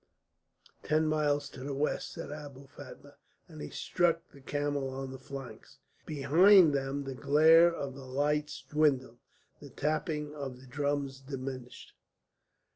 "Ten miles to the west," said Abou Fatma, and he struck the camel on the flanks. Behind them the glare of the lights dwindled, the tapping of the drums diminished.